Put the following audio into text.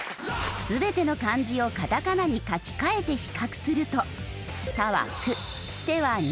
全ての漢字をカタカナに書き換えて比較するとタは「ク」テは「ニ」。